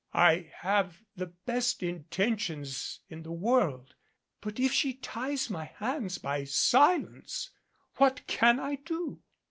I have the best intentions in the world, but if she ties my hands by silence what can I do?"